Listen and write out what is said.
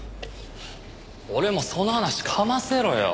俺もその話かませろよ。